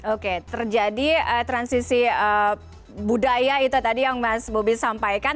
oke terjadi transisi budaya itu tadi yang mas bobi sampaikan